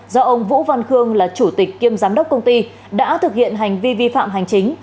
do ông vũ văn khương là chủ tịch kiêm giám đốc công ty đã thực hiện hành vi vi phạm hành chính